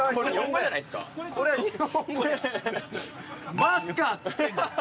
「マスカ」って！